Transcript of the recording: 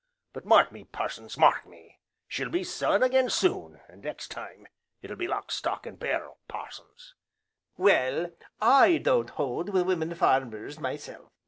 But mark me, Parsons, mark me, she'll be selling again soon, and next time it'll be lock, stock, and barrel, Parsons!" "Well, I don't 'old wi' women farmers, myself!"